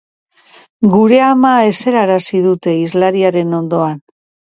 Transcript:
Gure ama eserarazi dute hizlariaren ondoan.